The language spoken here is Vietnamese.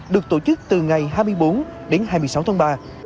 được tổ chức từ ngày hai mươi bốn đến hai mươi sáu tháng ba